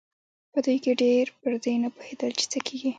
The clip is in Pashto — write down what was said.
په دوی کې ډېر پر دې نه پوهېدل چې څه کېږي.